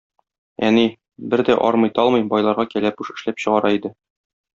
Әни, бер дә армый-талмый, байларга кәләпүш эшләп чыгара иде.